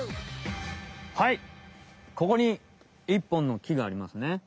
はいここに１ぽんの木がありますね。